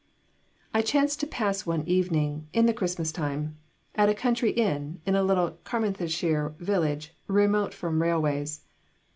I chanced to pass one evening, in the Christmas time, at a country inn in a little Carmarthenshire village remote from railways.